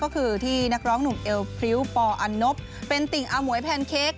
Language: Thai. ก็คือที่นักร้องหนุ่มเอลพริ้วปอันนบเป็นติ่งอาหมวยแพนเค้ก